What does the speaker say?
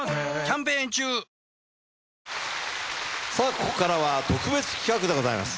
ここからは特別企画でございます。